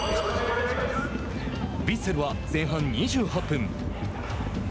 ヴィッセルは前半２８分。